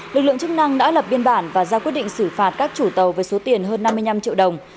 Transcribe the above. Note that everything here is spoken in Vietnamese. lực lượng chức năng đã lập biên bản và ra quyết định xử phạt các chủ tàu với số tiền hơn năm mươi năm triệu đồng